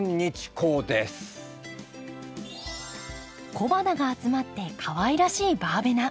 小花が集まってかわいらしいバーベナ。